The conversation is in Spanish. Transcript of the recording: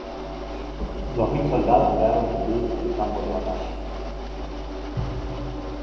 Dos mil soldados quedaron tendidos en el campo de batalla.